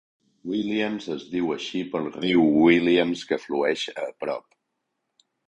Williams es diu així pel riu Williams que flueix a prop.